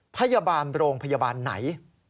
พยาบาลโรงพยาบาลไหน